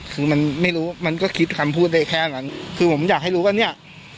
คือมันไม่รู้มันก็คิดคำพูดได้แค่นั้นคือผมอยากให้รู้ว่าเนี่ย